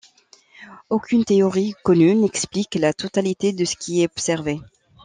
Aucune théorie connue n'explique la totalité de ce qui est observé.